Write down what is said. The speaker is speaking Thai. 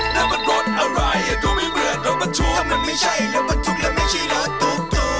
นั่นมันรถอะไรดูไม่เหมือนรถบันทุกถ้ามันไม่ใช่รถบันทุกและไม่ใช่รถตุ๊กตุ๊ก